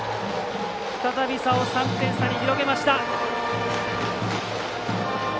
再び差を３点差に広げました。